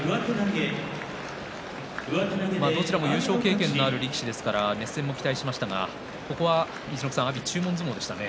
どちらも優勝経験のある力士ですから熱戦を期待しましたがここは阿炎の注文相撲でしたね。